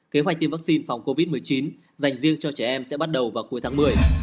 kế hoạch tiêm vaccine phòng covid một mươi chín dành riêng cho trẻ em sẽ bắt đầu vào cuối tháng một mươi